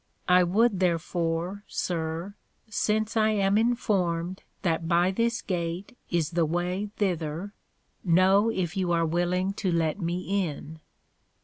I would therefore, Sir, since I am informed that by this Gate is the way thither, know if you are willing to let me in.